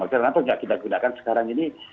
ternyata tidak kita gunakan sekarang ini